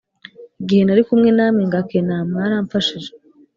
igihe nari kumwe namwe ngakena mwaramfashije.